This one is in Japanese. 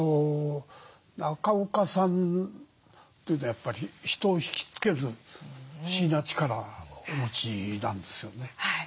中岡さんというのはやっぱり人を引き付ける不思議な力をお持ちなんですよね。